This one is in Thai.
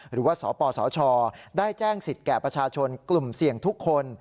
หรือว่าสปสชได้แจ้งสิทธิ์แก่ประชาชนกลุ่มเสี่ยงทุกคน